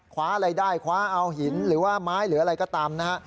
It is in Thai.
คว้าอะไรได้คว้าเอาหินหรือว่าไม้หรืออะไรก็ตามนะฮะ